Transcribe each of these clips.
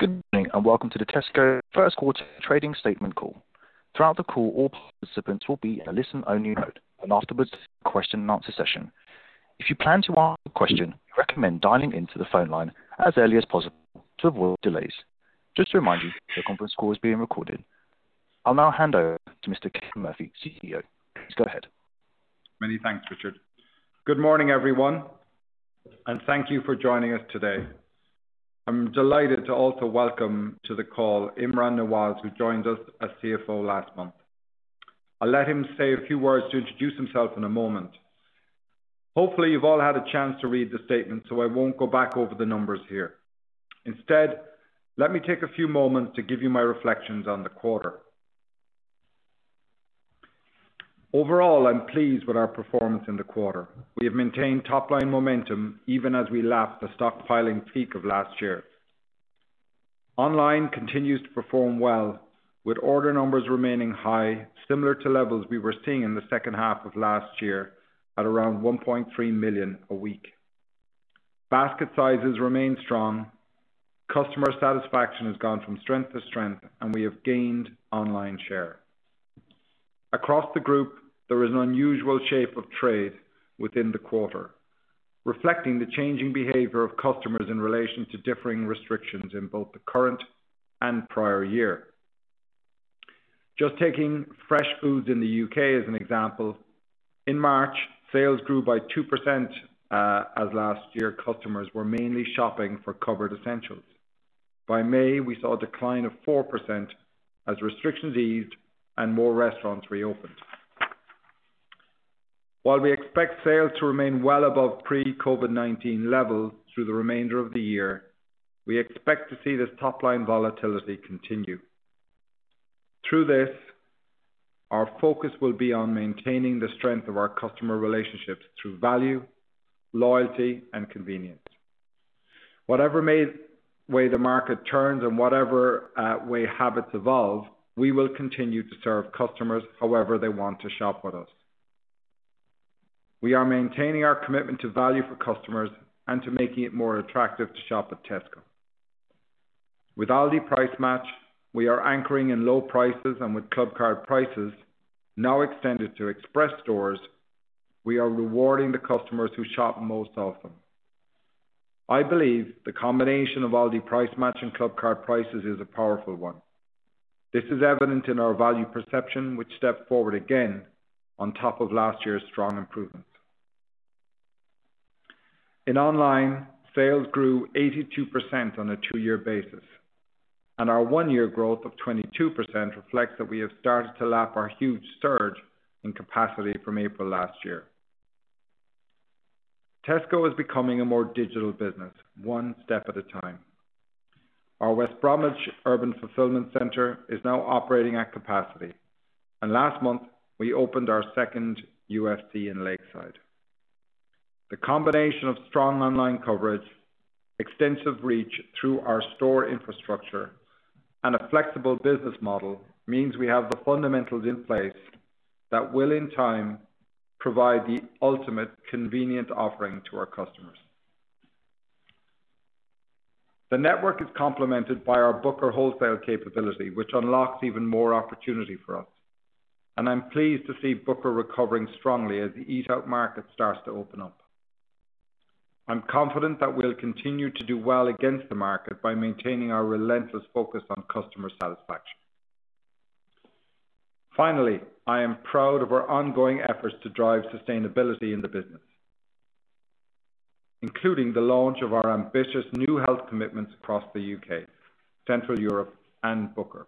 Good morning, welcome to the Tesco first quarter trading statement call. Throughout the call, all participants will be in a listen-only mode, and afterwards, a question-and-answer session. If you plan to ask a question, recommend dialing into the phone line as early as possible to avoid delays. Just a reminder, the conference call is being recorded. I'll now hand over to Mr. Ken Murphy, CEO. Please go ahead. Many thanks, Richard. Good morning, everyone, and thank you for joining us today. I'm delighted to also welcome to the call Imran Nawaz, who joined us as CFO last month. I'll let him say a few words to introduce himself in a moment. Hopefully, you've all had a chance to read the statement, so I won't go back over the numbers here. Instead, let me take a few moments to give you my reflections on the quarter. Overall, I'm pleased with our performance in the quarter. We have maintained top line momentum even as we lap the stockpiling peak of last year. Online continues to perform well, with order numbers remaining high, similar to levels we were seeing in the second half of last year at around 1.3 million a week. Basket sizes remain strong, customer satisfaction has gone from strength to strength, and we have gained online share. Across the group, there is an unusual shape of trade within the quarter, reflecting the changing behavior of customers in relation to differing restrictions in both the current and prior year. Just taking fresh foods in the U.K. as an example, in March, sales grew by 2% as last year customers were mainly shopping for cupboard essentials. By May, we saw a decline of 4% as restrictions eased and more restaurants reopened. While we expect sales to remain well above pre-COVID-19 levels through the remainder of the year, we expect to see this top line volatility continue. Through this, our focus will be on maintaining the strength of our customer relationships through value, loyalty, and convenience. Whatever way the market turns and whatever way habits evolve, we will continue to serve customers however they want to shop with us. We are maintaining our commitment to value for customers and to making it more attractive to shop at Tesco. With Aldi Price Match, we are anchoring in low prices, and with Clubcard Prices now extended to Express stores, we are rewarding the customers who shop most often. I believe the combination of Aldi Price Match and Clubcard Prices is a powerful one. This is evident in our value perception, which stepped forward again on top of last year's strong improvements. In online, sales grew 82% on a two-year basis, and our one-year growth of 22% reflects that we have started to lap our huge surge in capacity from April last year. Tesco is becoming a more digital business, one step at a time. Our West Bromwich Urban Fulfilment Centre is now operating at capacity, and last month we opened our second UFC in Lakeside. The combination of strong online coverage, extensive reach through our store infrastructure, and a flexible business model means we have the fundamentals in place that will in time provide the ultimate convenient offering to our customers. The network is complemented by our Booker wholesale capability, which unlocks even more opportunity for us, and I'm pleased to see Booker recovering strongly as the eat-out market starts to open up. I'm confident that we'll continue to do well against the market by maintaining our relentless focus on customer satisfaction. Finally, I am proud of our ongoing efforts to drive sustainability in the business, including the launch of our ambitious new health commitments across the U.K., Central Europe, and Booker.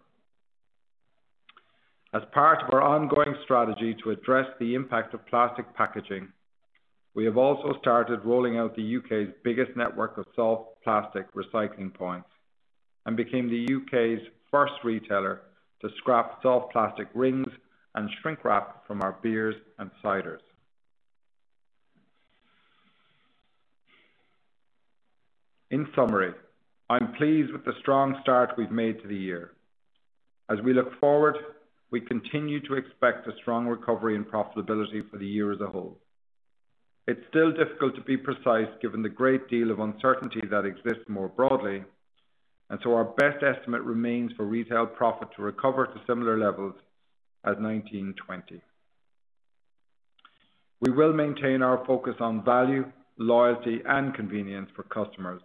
As part of our ongoing strategy to address the impact of plastic packaging, we have also started rolling out the U.K.'s biggest network of soft plastic recycling points and became the U.K.'s first retailer to scrap soft plastic rings and shrink wrap from our beers and ciders. In summary, I'm pleased with the strong start we've made to the year. As we look forward, we continue to expect a strong recovery in profitability for the year as a whole. It's still difficult to be precise given the great deal of uncertainty that exists more broadly. Our best estimate remains for retail profit to recover to similar levels as 2019/2020. We will maintain our focus on value, loyalty, and convenience for customers,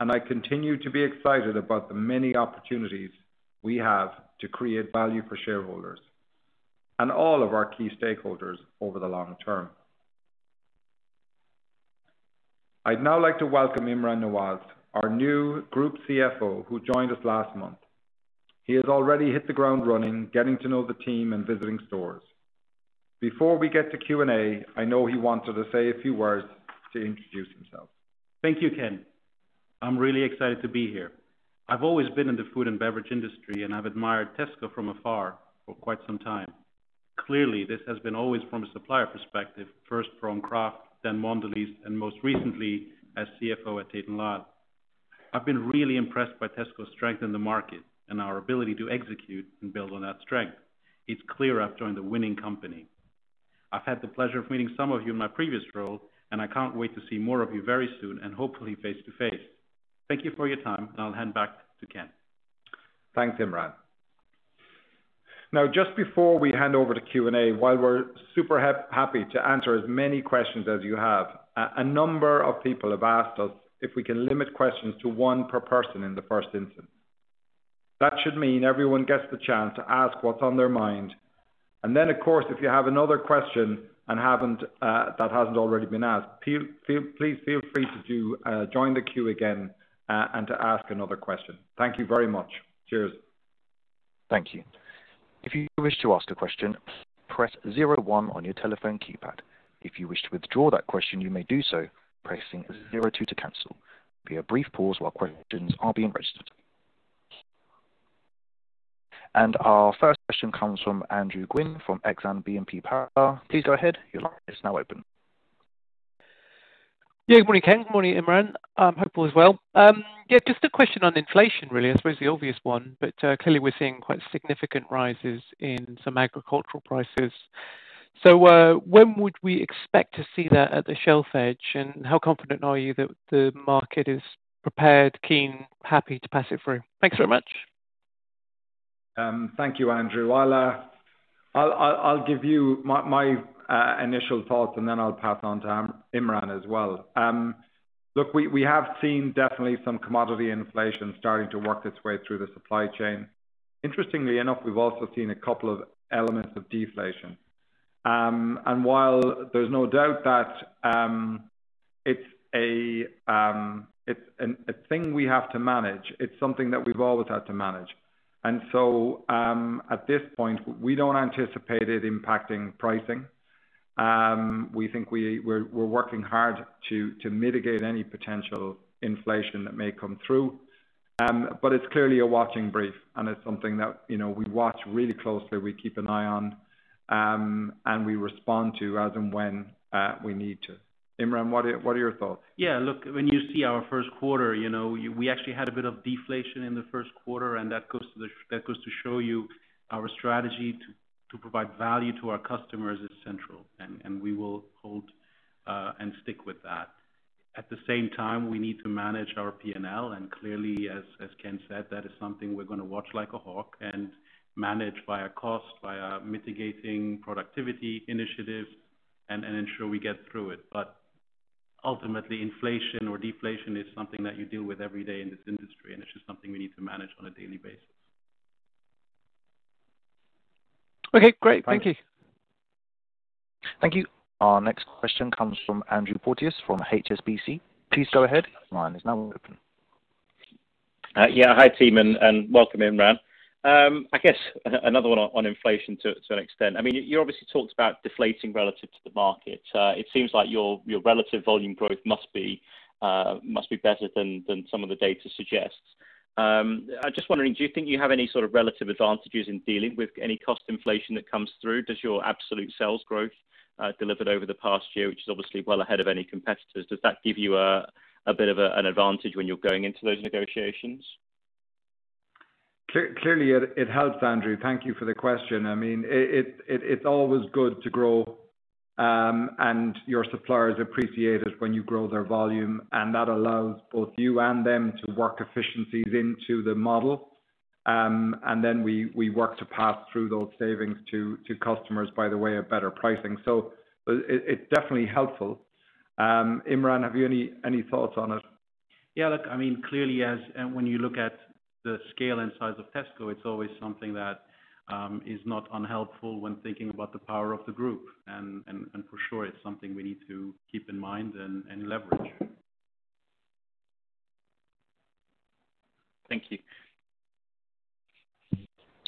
and I continue to be excited about the many opportunities we have to create value for shareholders and all of our key stakeholders over the long term. I'd now like to welcome Imran Nawaz, our new group CFO, who joined us last month. He has already hit the ground running, getting to know the team and visiting stores. Before we get to Q&A, I know he wanted to say a few words to introduce himself. Thank you, Ken. I'm really excited to be here. I've always been in the food and beverage industry, and I've admired Tesco from afar for quite some time. Clearly, this has been always from a supplier perspective, first from Kraft, then Mondelez, and most recently as CFO at Tate & Lyle. I've been really impressed by Tesco's strength in the market and our ability to execute and build on that strength. It's clear I've joined a winning company. I've had the pleasure of meeting some of you in my previous role, and I can't wait to see more of you very soon, and hopefully face to face. Thank you for your time, and I'll hand back to Ken. Thanks, Imran. Just before we hand over to Q&A, while we're super happy to answer as many questions as you have, a number of people have asked us if we can limit questions to one per person in the first instance. That should mean everyone gets the chance to ask what's on their mind. Of course, if you have another question that hasn't already been asked, please feel free to join the queue again and to ask another question. Thank you very much. Cheers. Thank you. If you wish to ask a question, press 0 one on your telephone keypad. If you wish to withdraw that question, you may do so by pressing 0 two to cancel. There'll be a brief pause while questions are being registered. Our first question comes from Andrew Gwynn from Exane BNP Paribas. Please go ahead. Your line is now open. Good morning, Ken. Good morning, Imran. I'm hopeful as well. Just a question on inflation, really. I suppose the obvious one, but clearly we're seeing quite significant rises in some agricultural prices. When would we expect to see that at the shelf edge, and how confident are you that the market is prepared, keen, happy to pass it through? Thanks so much. Thank you, Andrew. Well, I'll give you my initial thoughts, and then I'll pass on to Imran as well. Look, we have seen definitely some commodity inflation starting to work its way through the supply chain. Interestingly enough, we've also seen a couple of elements of deflation. While there's no doubt that it's a thing we have to manage, it's something that we've always had to manage. At this point, we don't anticipate it impacting pricing. We think we're working hard to mitigate any potential inflation that may come through. It's clearly a watching brief, and it's something that we watch really closely, we keep an eye on, and we respond to as and when we need to. Imran, what are your thoughts? Look, when you see our first quarter, we actually had a bit of deflation in the first quarter, and that goes to show you our strategy to provide value to our customers is central, and we will hold and stick with that. At the same time, we need to manage our P&L, and clearly, as Ken said, that is something we're going to watch like a hawk and manage via cost, via mitigating productivity initiatives and ensure we get through it. Ultimately, inflation or deflation is something that you deal with every day in this industry, and it's just something we need to manage on a daily basis. Okay, great. Thank you. Thank you. Our next question comes from Andrew Porteous from HSBC. Please go ahead. Yeah. Hi, team, and welcome, Imran. I guess another one on inflation to an extent. You obviously talked about deflating relative to the market. It seems like your relative volume growth must be better than some of the data suggests. I'm just wondering, do you think you have any sort of relative advantages in dealing with any cost inflation that comes through? Does your absolute sales growth delivered over the past year, which is obviously well ahead of any competitors, does that give you a bit of an advantage when you're going into those negotiations? Clearly, it helps, Andrew. Thank you for the question. It's always good to grow, and your suppliers appreciate it when you grow their volume, and that allows both you and them to work efficiencies into the model. We work to pass through those savings to customers by the way of better pricing. It's definitely helpful. Imran, have you any thoughts on it? Yeah, look, clearly when you look at the scale and size of Tesco, it's always something that is not unhelpful when thinking about the power of the group. For sure, it's something we need to keep in mind and leverage. Thank you.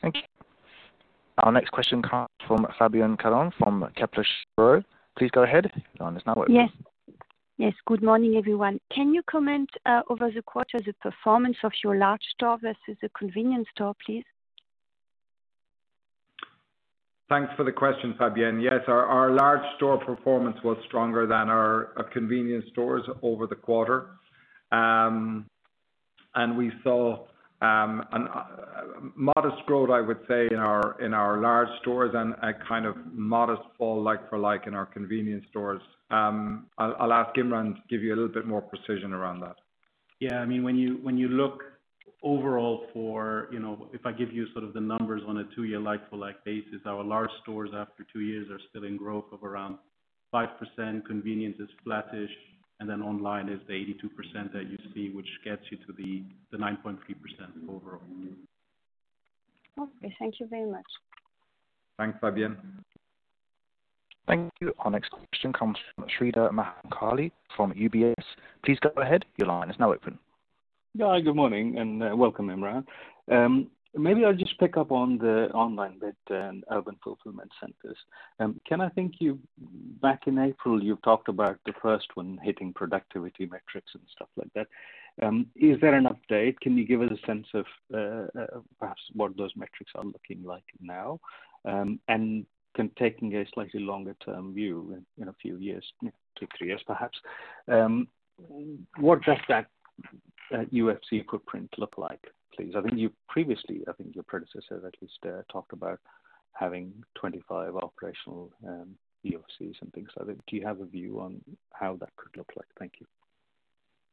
Thank you. Our next question comes from Fabienne Caron from Kepler Cheuvreux. Please go ahead. Your line is now open. Yes. Good morning, everyone. Can you comment over the quarter the performance of your large store versus the convenience store, please? Thanks for the question, Fabienne. Yes, our large store performance was stronger than our convenience stores over the quarter. We saw a modest growth, I would say, in our large stores and a kind of modest fall like-for-like in our convenience stores. I'll have Imran give you a little bit more precision around that. Yeah, when you look overall for, if I give you sort of the numbers on a two-year like-for-like basis, our large stores after two years are still in growth of around 5%, convenience is flattish, and then online is the 82% that you see, which gets you to the 9.3% overall. Okay. Thank you very much. Thanks, Fabienne. Thank you. Our next question comes from Sreedhar Mahamkali from UBS. Please go ahead. Your line is now open. Yeah, good morning and welcome, Imran. Maybe I'll just pick up on the online bit and Urban Fulfilment centers. Ken, I think back in April, you talked about the first one hitting productivity metrics and stuff like that. Is there an update? Can you give us a sense of perhaps what those metrics are looking like now? Taking a slightly longer-term view, a few years, two, three years perhaps, what does that UFC footprint look like, please? I think you previously, I think your predecessor at least talked about having 25 operational UFCs and things like that. Do you have a view on how that could look like? Thank you.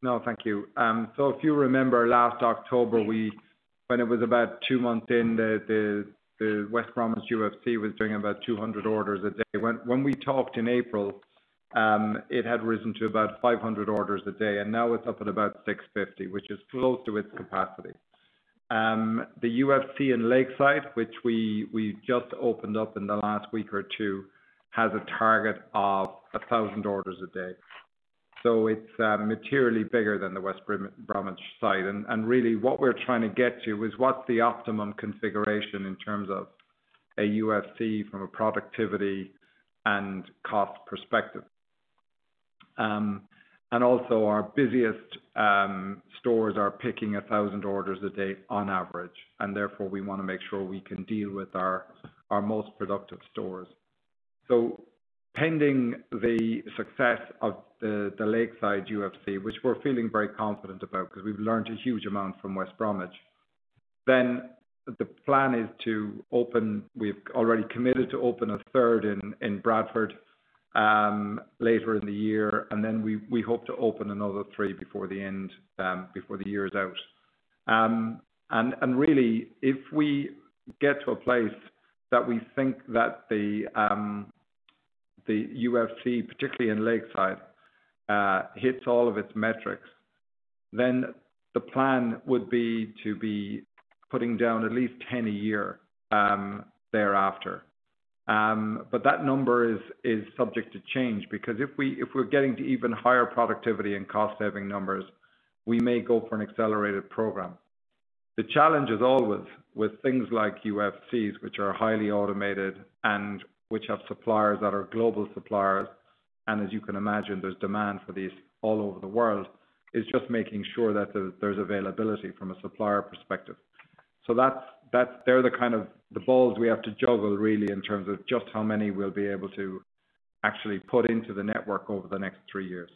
No, thank you. If you remember last October, when it was about two months in, the West Bromwich UFC was doing about 200 orders a day. When we talked in April, it had risen to about 500 orders a day, and now it's up at about 650, which is close to its capacity. The UFC in Lakeside, which we just opened up in the last week or two, has a target of 1,000 orders a day. It's materially bigger than the West Bromwich site. Really what we're trying to get to is what's the optimum configuration in terms of a UFC from a productivity and cost perspective. Also our busiest stores are picking 1,000 orders a day on average, and therefore we want to make sure we can deal with our most productive stores. Pending the success of the Lakeside UFC, which we're feeling very confident about because we've learned a huge amount from West Bromwich, the plan is to open. We've already committed to open a third in Bradford later in the year. We hope to open another three before the year is out. Really, if we get to a place that we think that the UFC, particularly in Lakeside, hits all of its metrics, the plan would be to be putting down at least 10 a year thereafter. That number is subject to change because if we're getting to even higher productivity and cost-saving numbers, we may go for an accelerated program. The challenge is always with things like UFCs, which are highly automated and which have suppliers that are global suppliers, and as you can imagine, there's demand for these all over the world, is just making sure that there's availability from a supplier perspective. They're the kind of the balls we have to juggle really, in terms of just how many we'll be able to actually put into the network over the next three years.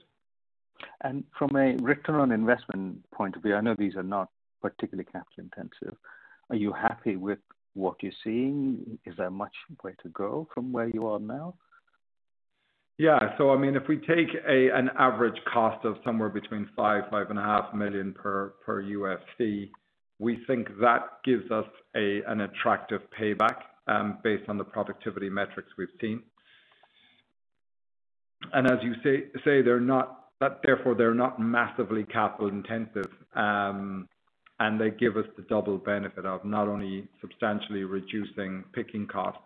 From a return on investment point of view, I know these are not particularly capital intensive. Are you happy with what you're seeing? Is there much way to go from where you are now? Yeah. If we take an average cost of somewhere between 5, five and a half million per UFC, we think that gives us an attractive payback based on the productivity metrics we've seen. As you say, therefore, they're not massively capital intensive, and they give us the double benefit of not only substantially reducing picking costs,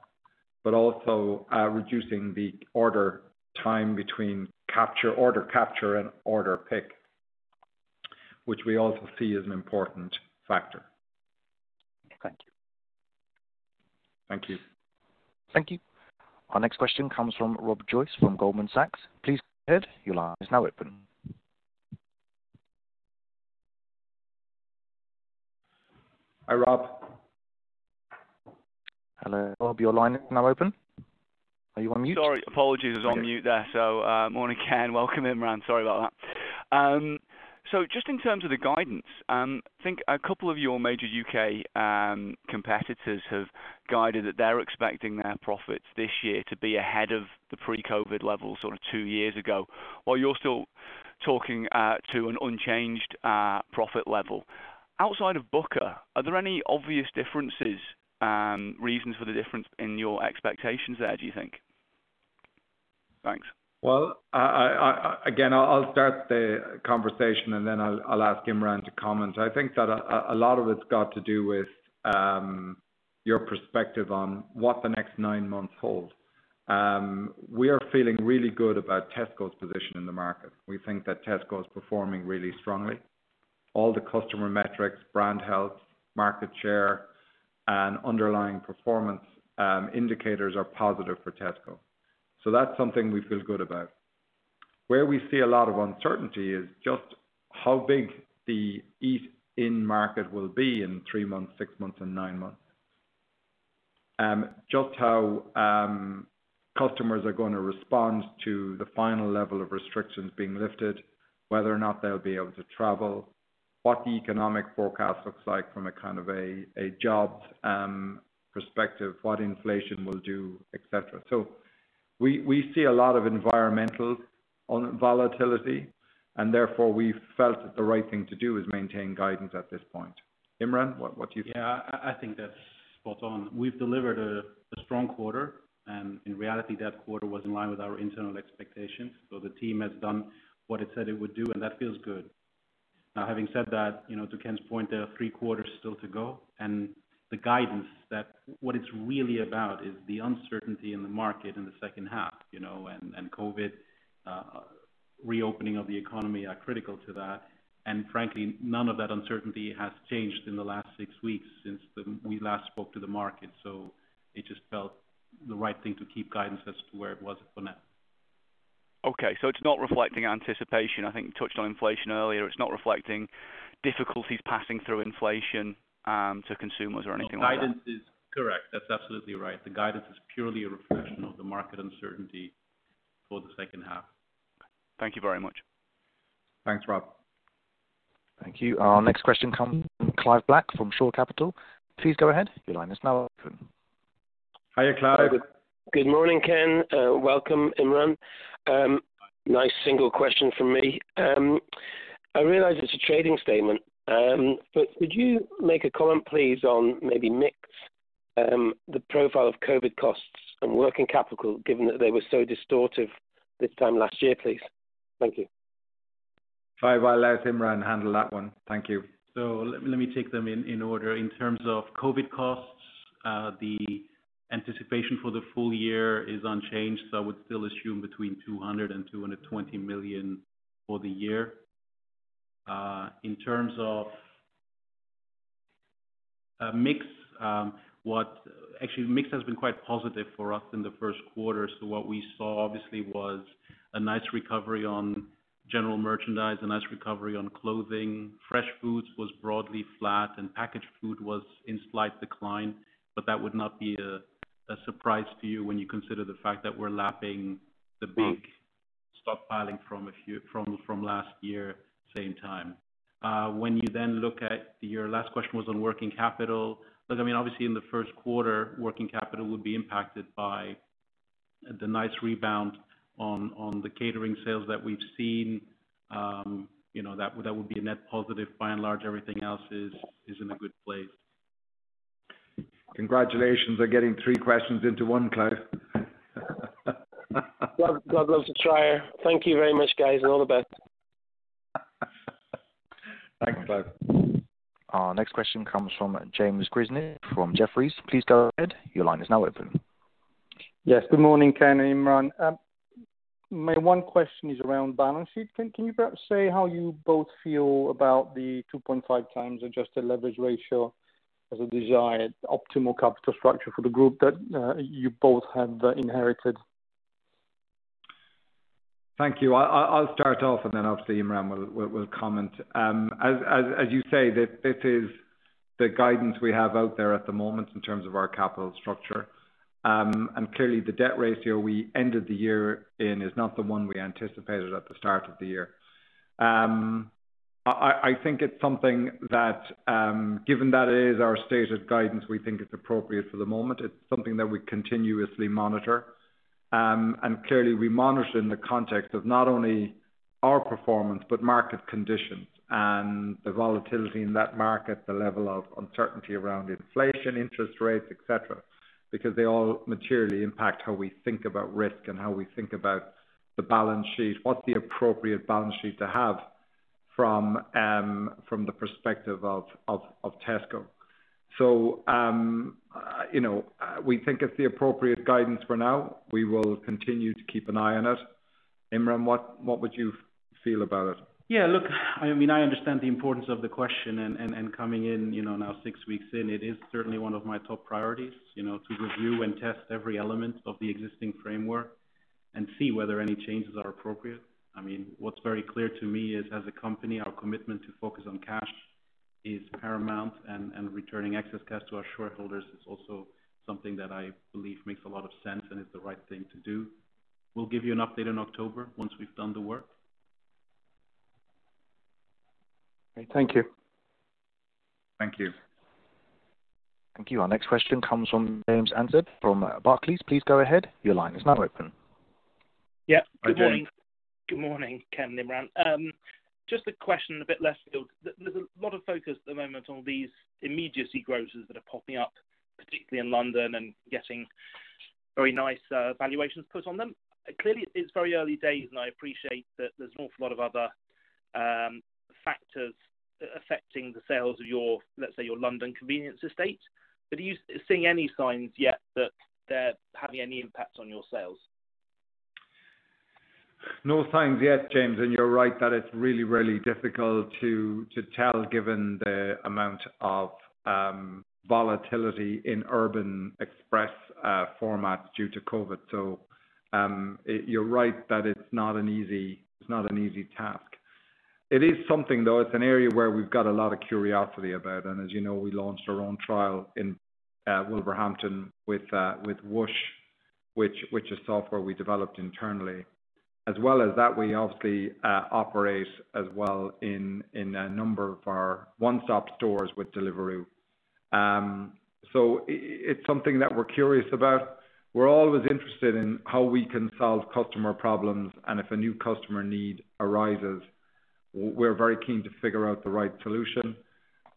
but also reducing the order time between order capture and order pick, which we also see as an important factor. Thank you. Thank you. Thank you. Our next question comes from Rob Joyce from Goldman Sachs. Please go ahead. Hi, Rob. Hello, Rob. Your line is now open. Are you on mute? Sorry, apologies. I was on mute there. Morning, Ken. Welcome, Imran. Sorry about that. Just in terms of the guidance, I think a couple of your major U.K. competitors have guided that they're expecting their profits this year to be ahead of the pre-COVID levels sort of two years ago, while you're still talking to an unchanged profit level. Outside of Booker, are there any obvious differences, reasons for the difference in your expectations there, do you think? Thanks. Well, again, I'll start the conversation and then I'll ask Imran to comment. I think that a lot of it's got to do with your perspective on what the next nine months hold. We are feeling really good about Tesco's position in the market. We think that Tesco is performing really strongly. All the customer metrics, brand health, market share, and underlying performance indicators are positive for Tesco. That's something we feel good about. Where we see a lot of uncertainty is just how big the eat-in market will be in three months, six months, and nine months. Just how customers are going to respond to the final level of restrictions being lifted, whether or not they'll be able to travel, what the economic forecast looks like from a kind of a jobs perspective, what inflation will do, et cetera. We see a lot of environmental volatility, and therefore we felt that the right thing to do is maintain guidance at this point. Imran, what's your view? Yeah, I think that's spot on. We've delivered a strong quarter, and in reality, that quarter was in line with our internal expectations. The team has done what it said it would do, and that feels good. Now, having said that, to Ken's point, there are three quarters still to go, and the guidance that what it's really about is the uncertainty in the market in the second half, and COVID reopening of the economy are critical to that. Frankly, none of that uncertainty has changed in the last six weeks since we last spoke to the market. It just felt the right thing to keep guidance as to where it was for now. Okay. It's not reflecting anticipation. I think you touched on inflation earlier. It's not reflecting difficulties passing through inflation to consumers or anything like that. Correct. That's absolutely right. The guidance is purely a reflection of the market uncertainty. For the second half. Thank you very much. Thanks, Rob. Thank you. Our next question comes from Clive Black from Shore Capital. Please go ahead. Hi, Clive. Good morning, Ken. Welcome, Imran. Nice single question from me. I realize it is a trading statement, could you make a comment, please, on maybe mix the profile of COVID costs and working capital, given that they were so distortive this time last year, please? Thank you. Clive, I'll let Imran handle that one. Thank you. Let me take them in order. In terms of COVID costs, the anticipation for the full year is unchanged. I would still assume between 200 million and 220 million for the year. In terms of actually mix has been quite positive for us in the first quarter. What we saw obviously was a nice recovery on general merchandise, a nice recovery on clothing. Fresh foods was broadly flat and packaged food was in slight decline, but that would not be a surprise to you when you consider the fact that we're lapping the big stockpiling from last year same time. When you look at your last question was on working capital. I mean, obviously in the first quarter, working capital would be impacted by the nice rebound on the catering sales that we've seen. That would be a net positive. By and large, everything else is in a good place. Congratulations on getting three questions into one, Clive. Love to try. Thank you very much, guys. All the best. Thanks, Clive. Our next question comes from James Grzinic from Jefferies. Yes, good morning, Ken and Imran. My one question is around balance sheet. Can you perhaps say how you both feel about the 2.5x adjusted leverage ratio as a desired optimal capital structure for the group that you both have inherited? Thank you. I'll start off and then obviously Imran will comment. As you say, this is the guidance we have out there at the moment in terms of our capital structure. Clearly the debt ratio we ended the year in is not the one we anticipated at the start of the year. I think it's something that given that is our stated guidance, we think it's appropriate for the moment. It's something that we continuously monitor. Clearly we monitor in the context of not only our performance, but market conditions and the volatility in that market, the level of uncertainty around inflation, interest rates, et cetera, because they all materially impact how we think about risk and how we think about the balance sheet, what the appropriate balance sheet to have from the perspective of Tesco. We think it's the appropriate guidance for now. We will continue to keep an eye on it. Imran, what would you feel about it? Yeah, look, I mean, I understand the importance of the question and coming in now six weeks in, it is certainly one of my top priorities to review and test every element of the existing framework and see whether any changes are appropriate. I mean, what's very clear to me is as a company, our commitment to focus on cash is paramount and returning excess cash to our shareholders is also something that I believe makes a lot of sense and is the right thing to do. We'll give you an update in October once we've done the work. Thank you. Thank you. Thank you. Our next question comes from James Anstead from Barclays. Please go ahead. Your line is now open. Yeah. Good morning. Good morning. Good morning, Ken and Imran. Just a question, a bit less skilled. There's a lot of focus at the moment on these immediacy grocers that are popping up, particularly in London and getting very nice valuations put on them. Clearly, it's very early days, and I appreciate that there's an awful lot of other factors affecting the sales of your, let's say, your London convenience estate. Are you seeing any signs yet that they're having any impact on your sales? No signs yet, James, you're right that it's really difficult to tell given the amount of volatility in urban express formats due to COVID. You're right that it's not an easy task. It is something, though, it's an area where we've got a lot of curiosity about, as you know, we launched our own trial in Wolverhampton with Whoosh, which is software we developed internally. As well as that, we obviously operate as well in a number of our One Stop stores with Deliveroo. It's something that we're curious about. We're always interested in how we can solve customer problems, if a new customer need arises, we're very keen to figure out the right solution.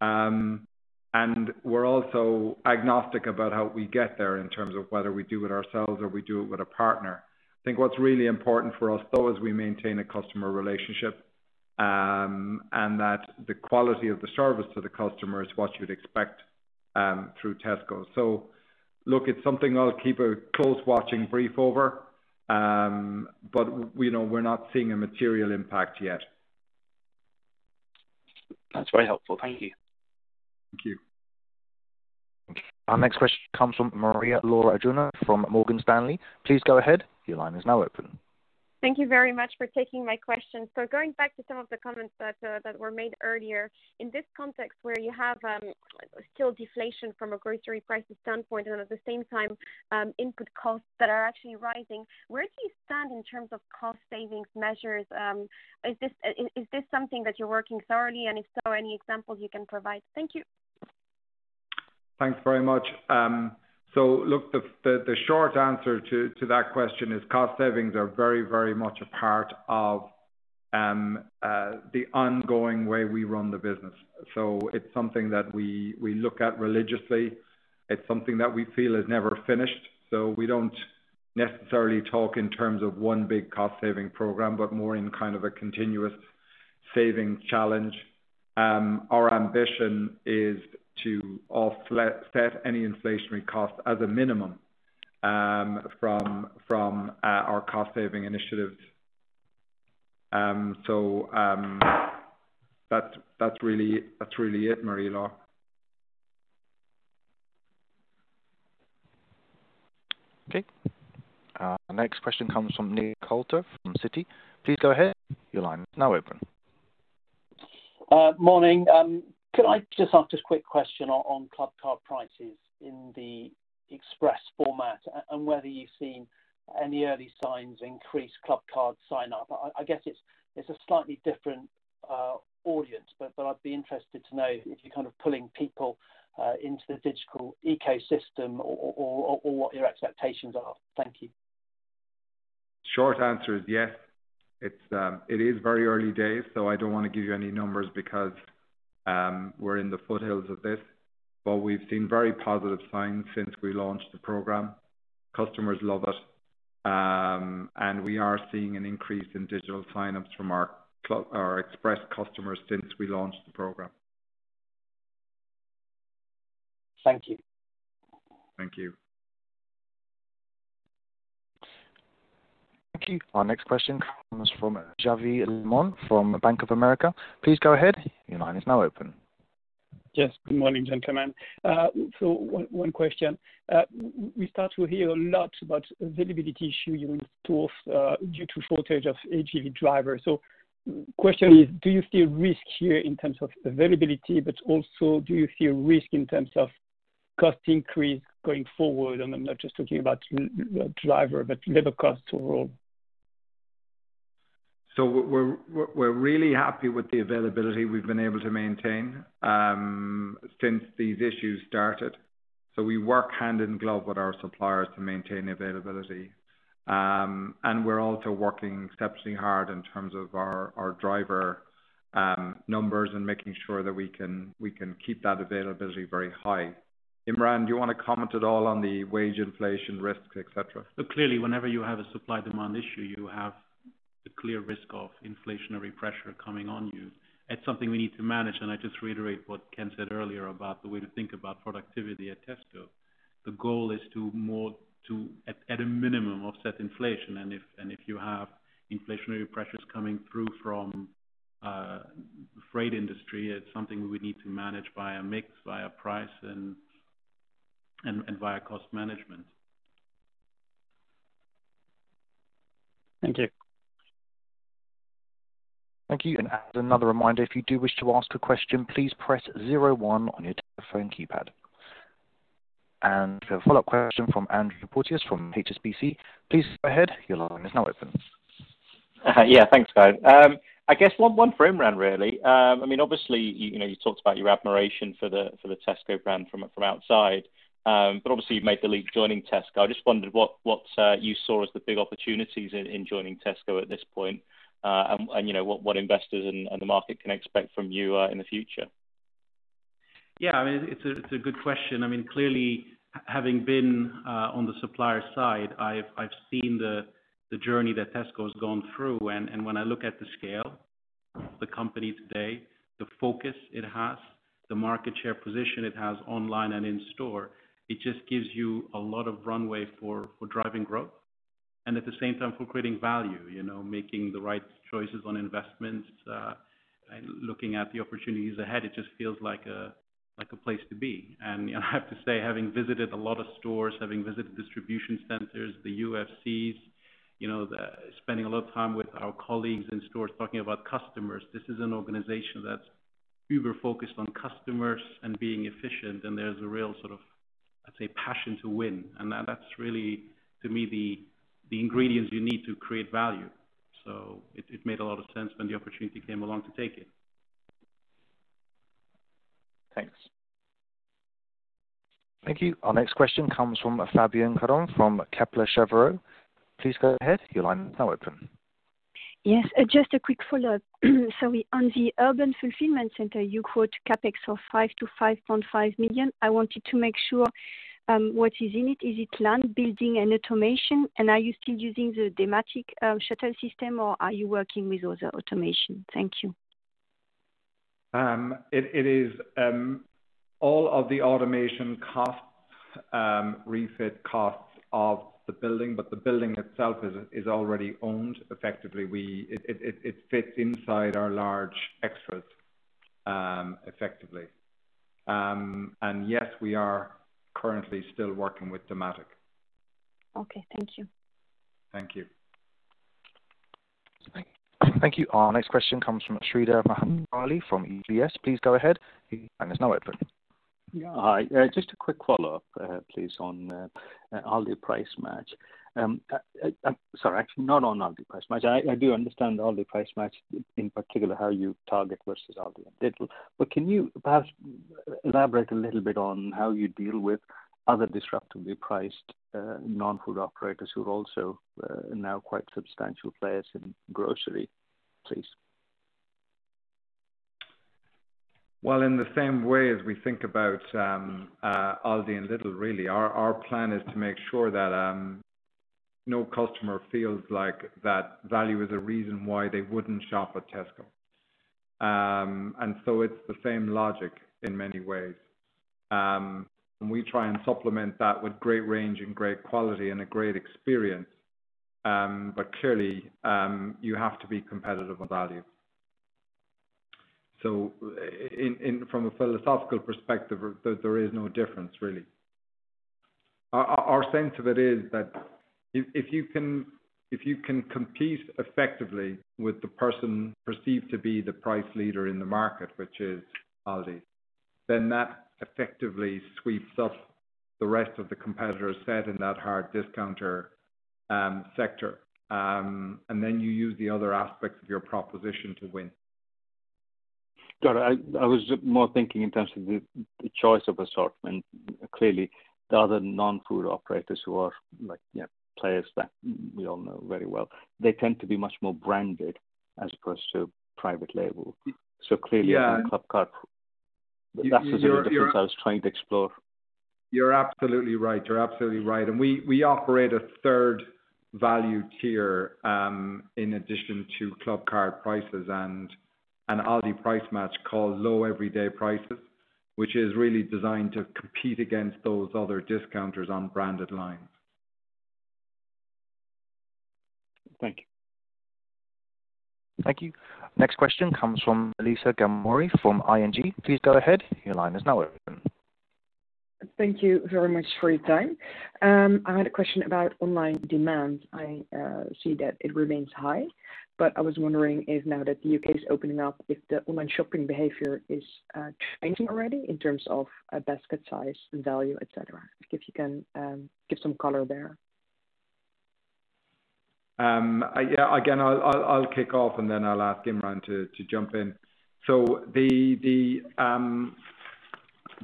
We're also agnostic about how we get there in terms of whether we do it ourselves or we do it with a partner. I think what's really important for us, though, is we maintain a customer relationship, and that the quality of the service to the customer is what you'd expect through Tesco. Look, it's something I'll keep a close watching brief over, but we're not seeing a material impact yet. That's very helpful. Thank you. Thank you. Our next question comes from Maria-Laura Ciunga from Morgan Stanley. Please go ahead. Your line is now open. Thank you very much for taking my question. Going back to some of the comments that were made earlier, in this context where you have still deflation from a grocery price standpoint, and at the same time, input costs that are actually rising, where do you stand in terms of cost savings measures? Is this something that you're working thoroughly, and if so, any examples you can provide? Thank you. Thanks very much. Look, the short answer to that question is cost savings are very much a part of the ongoing way we run the business. It's something that we look at religiously. It's something that we feel is never finished. We don't necessarily talk in terms of one big cost-saving program, but more in kind of a continuous savings challenge. Our ambition is to offset any inflationary cost as a minimum from our cost-saving initiatives. That's really it, Maria Laura. Okay. Our next question comes from Nick Coulter from Citi. Please go ahead. Morning. Could I just ask a quick question on Clubcard Prices in the Express format and whether you've seen any early signs increased Clubcard sign up? I guess it's a slightly different audience, but I'd be interested to know if you're kind of pulling people into the digital ecosystem or what your expectations are. Thank you. Short answer is yes. It is very early days. I don't want to give you any numbers because we're in the foothills of this. We've seen very positive signs since we launched the program. Customers love it, and we are seeing an increase in digital signups from our Express customers since we launched the program. Thank you. Thank you. Thank you. Our next question comes from Xavier Le Mené from Bank of America. Please go ahead. Your line is now open. Yes, good morning, gentlemen. One question. We start to hear a lot about availability issues in stores due to shortage of HGV drivers. Question is, do you see a risk here in terms of availability, but also do you see a risk in terms of cost increase going forward? I'm not just talking about the driver, but labor cost overall. We're really happy with the availability we've been able to maintain since these issues started. We work hand in glove with our suppliers to maintain availability. We're also working exceptionally hard in terms of our driver numbers and making sure that we can keep that availability very high. Imran, do you want to comment at all on the wage inflation risks, et cetera? Look, clearly, whenever you have a supply demand issue, you have the clear risk of inflationary pressure coming on you. It's something we need to manage. I just reiterate what Ken said earlier about the way to think about productivity at Tesco. The goal is to, at a minimum, offset inflation. If you have inflationary pressures coming through from the freight industry, it's something we need to manage via mix, via price, and via cost management. Thank you. Thank you. As another reminder, if you do wish to ask a question, please press 0 one on your phone keypad. A follow-up question from Andrew Porteous from HSBC. Please go ahead. Your line is now open. Yeah. Thanks, Ken. I guess one for Imran really. Obviously, you talked about your admiration for the Tesco brand from outside, but obviously you made the leap joining Tesco. I just wondered what you saw as the big opportunities in joining Tesco at this point, and what investors and the market can expect from you in the future. Yeah. It's a good question. Clearly, having been on the supplier side, I've seen the journey that Tesco's gone through. When I look at the scale of the company today, the focus it has, the market share position it has online and in store, it just gives you a lot of runway for driving growth and at the same time for creating value, making the right choices on investments, looking at the opportunities ahead. It just feels like a place to be. I have to say, having visited a lot of stores, having visited distribution centers, the UFCs, spending a lot of time with our colleagues in stores talking about customers. This is an organization that's uber focused on customers and being efficient, and there's a real sort of, I'd say, passion to win. That's really, to me, the ingredients you need to create value. It made a lot of sense when the opportunity came along to take it. Thanks. Thank you. Our next question comes from Fabienne Caron from Kepler Cheuvreux. Please go ahead. Yes, just a quick follow-up. Sorry. On the Urban Fulfilment Centre, you quote CapEx of 5 million-5.5 million. I wanted to make sure what is in it. Is it land building and automation? Are you still using the Dematic shuttle system, or are you working with other automation? Thank you. It is all of the automation costs, refit costs of the building, but the building itself is already owned effectively. It fits inside our large extras effectively. Yes, we are currently still working with Dematic. Okay, thank you. Thank you. Thank you. Our next question comes from Sreedhar Mahamkali from UBS. Please go ahead. Your line is now open. Yeah. Just a quick follow-up, please, on Aldi Price Match. Sorry, actually, not on Aldi Price Match. I do understand Aldi Price Match, in particular, how you target versus Aldi and Lidl. Can you perhaps elaborate a little bit on how you deal with other disruptively priced non-food operators who are also now quite substantial players in grocery, please? Well, in the same way as we think about Aldi and Lidl really, our plan is to make sure that no customer feels like that value is a reason why they wouldn't shop at Tesco. It's the same logic in many ways. We try and supplement that with great range and great quality and a great experience. Clearly, you have to be competitive on value. From a philosophical perspective, there is no difference really. Our sense of it is that if you can compete effectively with the person perceived to be the price leader in the market, which is Aldi, then that effectively sweeps up the rest of the competitor set in that hard discounter sector. You use the other aspects of your proposition to win. Got it. I was more thinking in terms of the choice of assortment. Clearly, the other non-food operators who are players that we all know very well, they tend to be much more branded as opposed to private label. Yeah. Clubcard, that's the difference I was trying to explore. You're absolutely right. We operate a 3rd value tier, in addition to Clubcard Prices and Aldi Price Match called Low Everyday Prices, which is really designed to compete against those other discounters on branded lines. Thank you. Thank you. Next question comes from Alyssa Gammoudy from ING. Please go ahead. Your line is now open. Thank you very much for your time. I had a question about online demand. I see that it remains high, but I was wondering if now that the U.K. is opening up, if the online shopping behavior is changing already in terms of basket size and value, et cetera. If you can give some color there. I'll kick off, and then I'll ask Imran to jump in.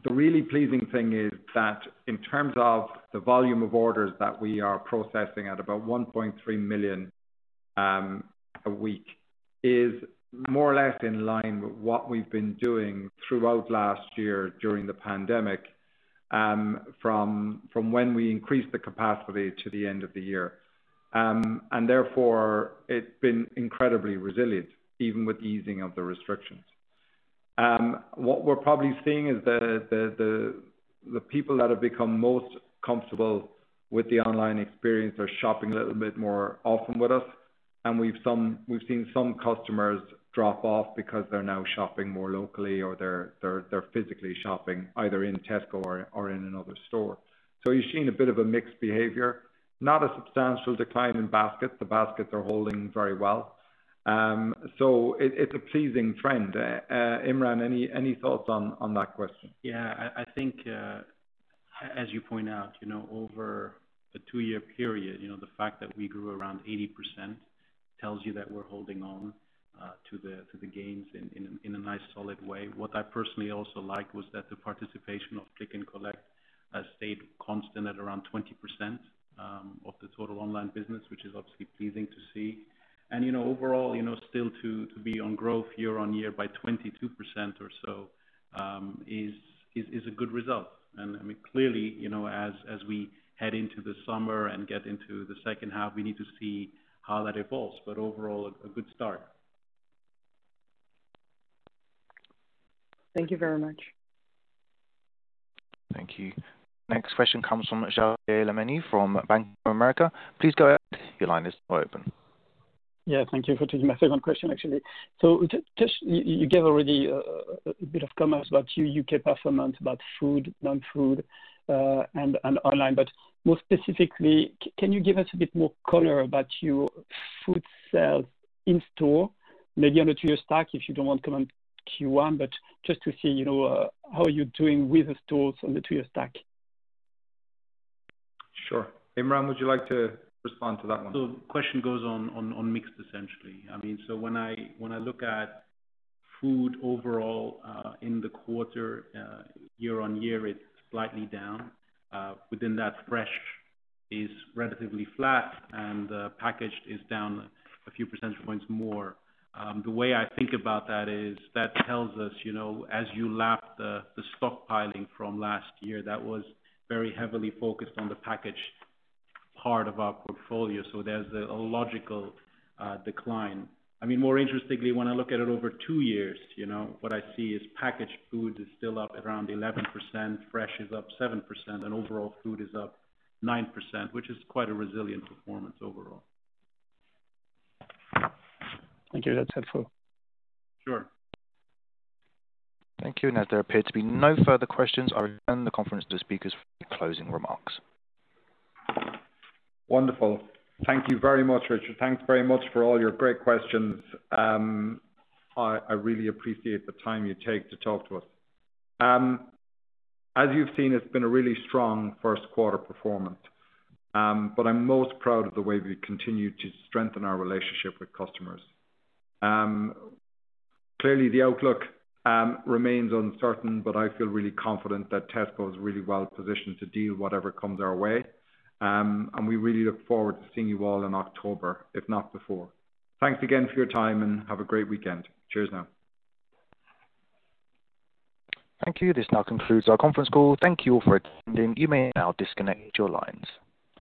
The really pleasing thing is that in terms of the volume of orders that we are processing at about 1.3 million a week is more or less in line with what we've been doing throughout last year during the pandemic, from when we increased the capacity to the end of the year. Therefore, it's been incredibly resilient, even with the easing of the restrictions. What we're probably seeing is the people that have become most comfortable with the online experience are shopping a little bit more often with us, and we've seen some customers drop off because they're now shopping more locally or they're physically shopping either in Tesco or in another store. You're seeing a bit of a mixed behavior, not a substantial decline in baskets. The baskets are holding very well. It's a pleasing trend. Imran, any thoughts on that question? Yeah, I think, as you point out, over a two-year period, the fact that we grew around 80% tells you that we're holding on to the gains in a nice solid way. What I personally also like was that the participation of Click + Collect has stayed constant at around 20% of the total online business, which is obviously pleasing to see. Overall, still to be on growth year-over-year by 22% or so is a good result. Clearly, as we head into the summer and get into the second half, we need to see how that evolves, but overall, a good start. Thank you very much. Thank you. Next question comes from Xavier Le Mené from Bank of America. Please go ahead. Your line is now open. Yeah, thank you for taking my second question, actually. Just, you gave already a bit of comments about your U.K. performance about food, non-food, and online, but more specifically, can you give us a bit more color about your food sales in store? Maybe on the two-year stack if you don't want to comment Q1, but just to see how you're doing with the stores on the two-year stack. Sure. Imran, would you like to respond to that one? The question goes on mix, essentially. When I look at food overall in the quarter, year-on-year, it's slightly down. Within that, fresh is relatively flat, and packaged is down a few percentage points more. The way I think about that is that tells us as you lap the stockpiling from last year, that was very heavily focused on the packaged part of our portfolio. There's a logical decline. More interestingly, when I look at it over two years, what I see is packaged food is still up around 11%, fresh is up 7%, and overall food is up 9%, which is quite a resilient performance overall. Thank you. That's helpful. Sure. Thank you. There appear to be no further questions. I'll return the conference to the speakers for any closing remarks. Wonderful. Thank you very much, Richard. Thanks very much for all your great questions. I really appreciate the time you take to talk to us. As you've seen, it's been a really strong first quarter performance. I'm most proud of the way we've continued to strengthen our relationship with customers. Clearly, the outlook remains uncertain, but I feel really confident that Tesco is really well positioned to deal with whatever comes our way. We really look forward to seeing you all in October, if not before. Thanks again for your time, and have a great weekend. Cheers now. Thank you. This now concludes our conference call. Thank you for attending. You may now disconnect your lines.